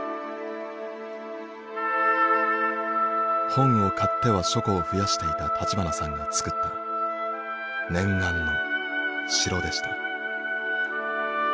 本を買っては書庫を増やしていた立花さんが作った念願の城でした。